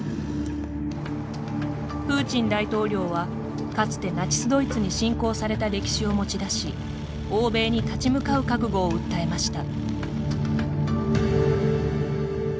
プーチン大統領はかつてナチス・ドイツに侵攻された歴史を持ち出し欧米に立ち向かう覚悟を訴えました。